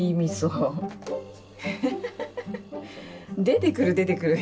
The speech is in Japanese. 出てくる出てくる。